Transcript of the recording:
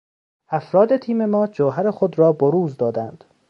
افراد تیم ما جوهر خود را بروز دادند.